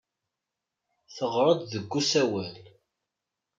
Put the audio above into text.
Teɣra-d deg usawal.